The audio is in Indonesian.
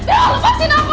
daryl lepasin aku